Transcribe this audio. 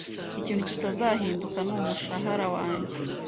Ikintu kitazahinduka ni umushahara wanjye.